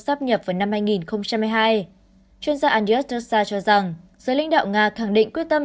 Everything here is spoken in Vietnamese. kết thúc vào năm hai nghìn hai mươi hai chuyên gia andriush tushar cho rằng giới lĩnh đạo nga khẳng định quyết tâm